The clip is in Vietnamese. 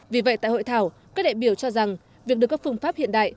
vì vậy tại hội thảo các đại biểu cho rằng việc được các phương pháp hiện đại